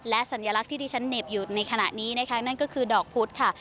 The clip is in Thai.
และสัญลักษณ์ที่ที่ฉันเหน็บอยู่ในขณะนี้นะคะนั่นก็คือดอกพุธค่ะ